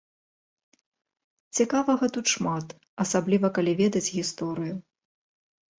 Цікавага тут шмат, асабліва калі ведаць гісторыю.